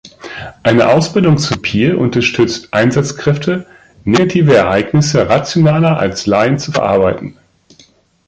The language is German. Eine Ausbildung zum Peer unterstützt Einsatzkräfte, negative Ereignissen rationaler als „Laien“ zu verarbeiten.